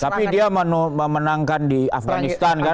tapi dia memenangkan di afghanistan kan langsung jatuh